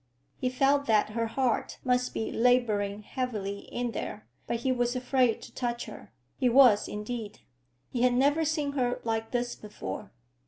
He felt that her heart must be laboring heavily in there, but he was afraid to touch her; he was, indeed. He had never seen her like this before.